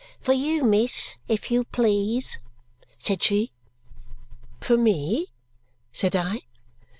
"For you, miss, if you please," said she. "For me?" said I.